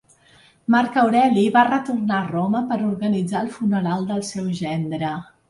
Marc Aureli va retornar a Roma per organitzar el funeral del seu gendre.